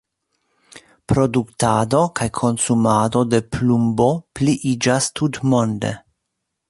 Produktado kaj konsumado de plumbo pliiĝas tutmonde.